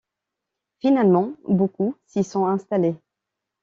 Finalement, beaucoup s'y sont installés.